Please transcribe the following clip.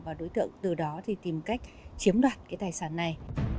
và đối tượng từ đó tìm cách chiếm đoạt tài sản này